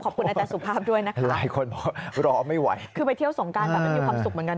ขอบคุณอาจารย์สุขภาพด้วยนะครับ